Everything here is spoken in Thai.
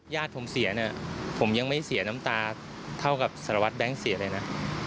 ญาติผมเสียเนี่ยผมยังไม่เสียน้ำตาเท่ากับสารวัตรแบงค์เสียเลยนะ